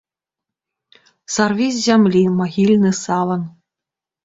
Сарві з зямлі магільны саван!